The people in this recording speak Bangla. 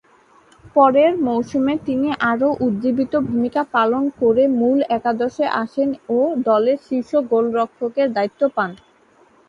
পরের মৌসুমে তিনি আরো উজ্জ্বীবিত ভূমিকা পালন করে মূল একাদশে আসেন ও দলের শীর্ষ গোলরক্ষকের দায়িত্ব পান।